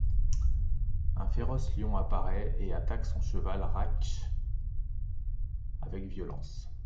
Un féroce lion apparaît, et attaque son cheval Rakhsh avec violence.